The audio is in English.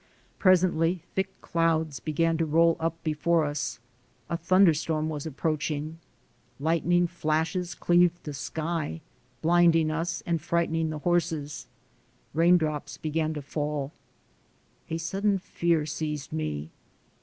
Presently, thick clouds began to roll up before us ; a thunderstorm was approaching. Lightning flashes cleaved the sky, blinding us and frightening the horses. Raindrops began to fall. A sudden fear seized me.